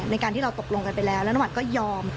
ในการที่เราตกลงกันไปแล้วแล้วน้ำมันก็ยอม